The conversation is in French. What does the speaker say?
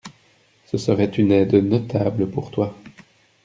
Ce serait une aide notable pour toi.